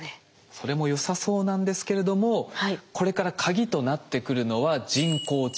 それもよさそうなんですけれどもこれから鍵となってくるのは人工知能ＡＩなんです。